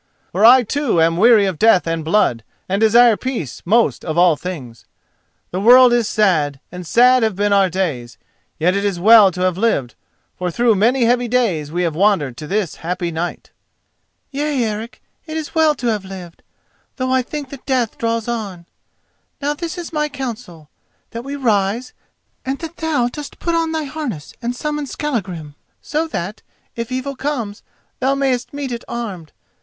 "For I too am weary of death and blood, and desire peace most of all things. The world is sad, and sad have been our days. Yet it is well to have lived, for through many heavy days we have wandered to this happy night." "Yea, Eric, it is well to have lived; though I think that death draws on. Now this is my counsel: that we rise, and that thou dost put on thy harness and summon Skallagrim, so that, if evil comes, thou mayst meet it armed.